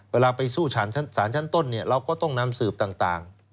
เวลาไปสู้สารชั้นต้นเราก็ต้องนำสืบต่าง